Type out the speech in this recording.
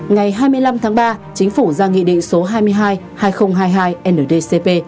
ngày hai mươi năm tháng ba chính phủ ra nghị định số hai mươi hai hai nghìn hai mươi hai ndcp